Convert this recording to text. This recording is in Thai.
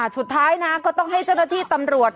สุดท้ายนะก็ต้องให้เจ้าหน้าที่ตำรวจ